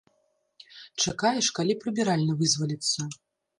Чакаеш, калі прыбіральня вызваліцца.